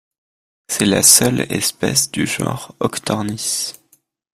C'est la seule espèce du genre Ochthornis.